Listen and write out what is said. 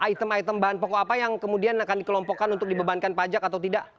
item item bahan pokok apa yang kemudian akan dikelompokkan untuk dibebankan pajak atau tidak